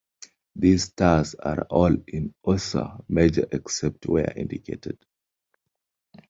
These stars are all in Ursa Major except where indicated.